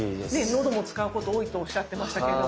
のども使うこと多いとおっしゃってましたけど。